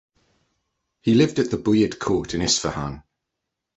He lived at the Buyid court in Isfahan.